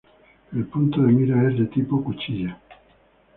El punto de mira es de tipo "cuchilla".